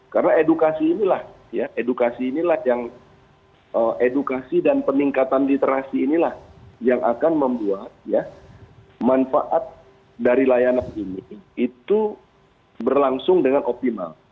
karena edukasi inilah edukasi inilah yang edukasi dan peningkatan literasi inilah yang akan membuat ya manfaat dari layanan ini itu berlangsung dengan optimal